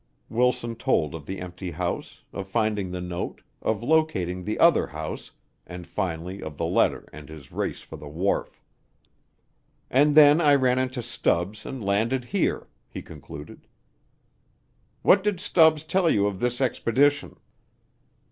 Wilson told of the empty house, of finding the note, of locating the other house, and finally of the letter and his race for the wharf. "And then I ran into Stubbs and landed here," he concluded. "What did Stubbs tell you of this expedition?"